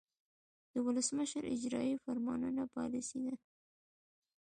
د ولسمشر اجراییوي فرمانونه پالیسي ده.